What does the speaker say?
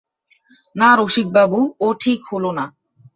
না রসিকবাবু, ও ঠিক হল না।